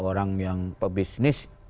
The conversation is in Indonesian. orang yang pebisnis